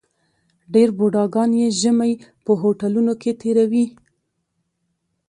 ډېر بوډاګان یې ژمی په هوټلونو کې تېروي.